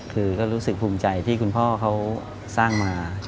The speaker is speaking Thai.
คือก็รู้สึกภูมิใจที่คุณพ่อเขาสร้างมา